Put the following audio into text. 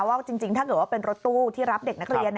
ว่าจริงถ้าเกิดว่าเป็นรถตู้ที่รับเด็กนักเรียน